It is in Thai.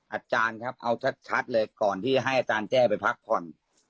อาจารย์ครับเอาชัดเลยก่อนที่ให้อาจารย์แจ้ไปพักผ่อน